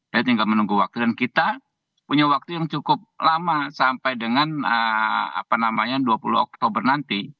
jadi tinggal menunggu waktu dan kita punya waktu yang cukup lama sampai dengan apa namanya dua puluh oktober nanti